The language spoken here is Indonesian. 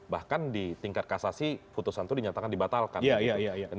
bahkan di tingkat kasasi putusan itu dinyatakan dibatalkan